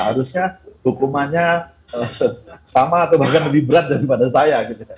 harusnya hukumannya sama atau bahkan lebih berat daripada saya